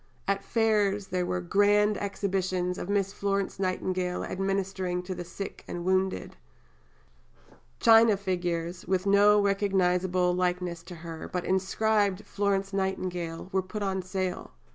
At Fairs there were "Grand Exhibitions of Miss Florence Nightingale administering to the Sick and Wounded." China figures, with no recognizable likeness to her, but inscribed "Florence Nightingale," were put on sale.